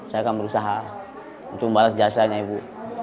saya akan berusaha untuk membalas jasanya ibu